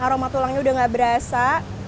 aroma tulangnya udah gak berasa